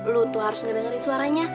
lu tuh harus ngedengerin suara